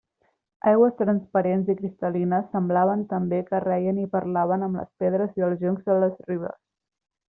Aigües transparents i cristal·lines semblaven també que reien i parlaven amb les pedres i els joncs de les ribes.